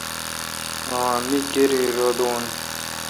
آں ۔۔۔مہ کیرای رل دون